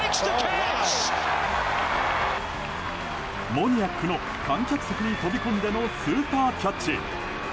モニアックの、観客席に飛び込んでのスーパーキャッチ。